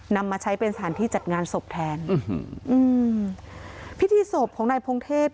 นำมาใช้เป็นสถานที่จัดงานศพแทนอืมพิธีศพของนายพงเทพ